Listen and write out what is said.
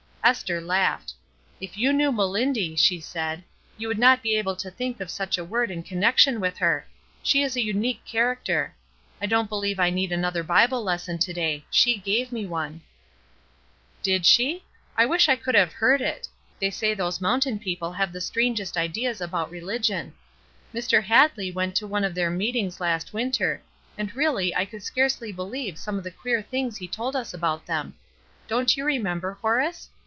Esther laughed. "If you knew Melindy," she said, "you would not be able to think of such a word in connection with her. She is a unique character. I don't believe I need 266 ESTER RIED'S NAMESAKE another Bible lesson to day; she gave me one/' "Did she? I wish I could have heard it; they say those mountain people have the strang est ideas about religion ! Mr. Hadley went to one of their meetings last winter, and really I could scarcely beheve some of the queer things he told us about them. Don't you remember, Horace?